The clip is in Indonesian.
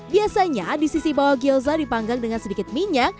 biasanya di sisi bawah gyoza dipanggang dengan sedikit minyak